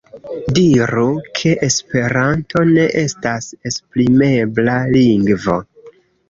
Diru ke esperanto ne estas esprimebla lingvo.